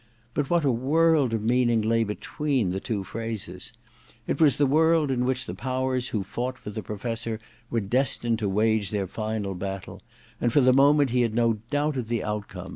* But what a world of meaning lay between the two phrases ! It was the world in which the powers who fought for the Professor were destined to wage their final battle ; and for the moment he had no doubt of the outcome.